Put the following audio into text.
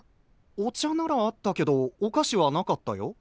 お茶ならあったけどお菓子はなかったよ。